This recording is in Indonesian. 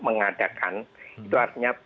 mengadakan itu artinya